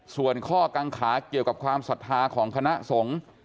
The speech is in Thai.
ส่วนข้อกังขาเกี่ยวกับความศรัทธาของคณะสงฆ์